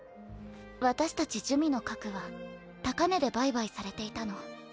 私たち珠魅の核は高値で売買されていたの。